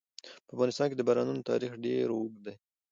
په افغانستان کې د بارانونو تاریخ ډېر اوږد دی.